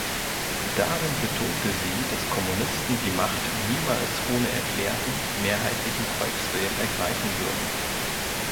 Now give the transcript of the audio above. Darin betonte sie, dass Kommunisten die Macht niemals ohne erklärten mehrheitlichen Volkswillen ergreifen würden.